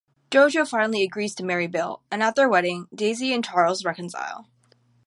Jojo finally agrees to marry Bill, and at their wedding, Daisy and Charles reconcile.